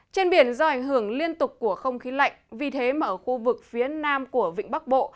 trên biển do ảnh hưởng liên tục của không khí lạnh vì thế mà ở khu vực phía nam của vịnh bắc bộ